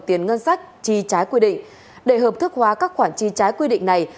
tiền ngân sách chi trái quy định để hợp thức hóa các khoản chi trái quy định này